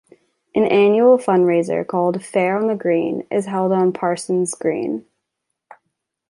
An annual fundraiser called, 'Fair on the Green', is held on Parsons' green.